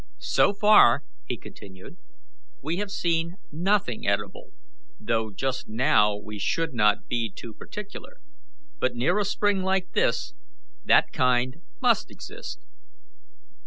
So far," he continued, "we have seen nothing edible, though just now we should not be too particular; but near a spring like this that kind must exist."